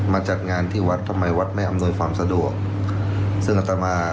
มาจัดงานที่วัดทำไมวัดไม่อำนวยความสะดวก